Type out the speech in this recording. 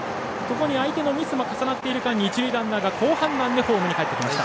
相手のミスも重なって一塁ランナーが好判断でホームにかえってきました。